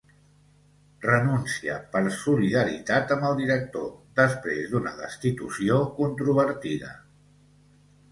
Renúncia, per solidaritat amb el director, després d'una destitució controvertida.